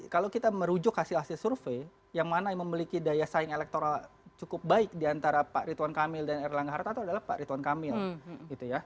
kalau kita merujuk hasil hasil survei yang mana yang memiliki daya saing elektoral cukup baik diantara pak rituan kamil dan erlangga hartarto adalah pak rituan kamil